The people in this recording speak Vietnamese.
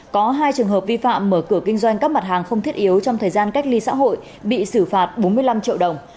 có hai trường hợp vi phạm mở cửa kinh doanh các mặt hàng không thiết yếu trong thời gian cách ly xã hội bị xử phạt bốn mươi năm triệu đồng